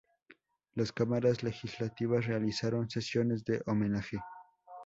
Las Cámaras Legislativas realizaron sesiones de homenaje.